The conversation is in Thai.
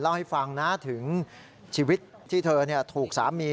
เล่าให้ฟังนะถึงชีวิตที่เธอถูกสามี